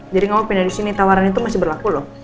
jadi kamu pindah disini tawaran itu masih berlaku loh